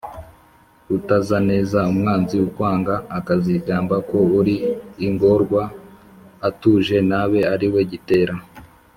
Utazaneza umwanzi ukwanga Akazigamba ko uri ingorwa Atuje n’abe ariwe gitera.